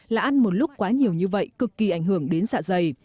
là ăn một lúc quá nhiều như vậy cực kỳ ảnh hưởng đến dạ dày